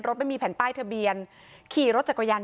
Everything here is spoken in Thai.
รถไม่มีแผ่นป้ายทะเบียนขี่รถจากกว่ายัน